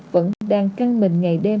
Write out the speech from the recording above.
vẫn đang căng mình ngày đêm